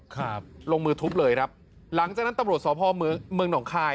ครับลงมือทุบเลยครับหลังจากนั้นตำรวจสพเมืองเมืองหนองคาย